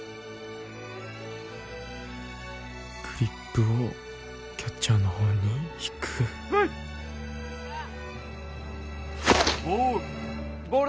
グリップをキャッチャーの方に引くボールボール